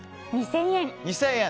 ２０００円。